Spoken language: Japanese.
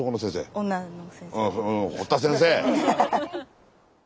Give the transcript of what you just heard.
堀田先生。